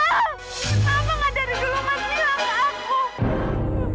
kenapa gak dari dulu mas bilang ke aku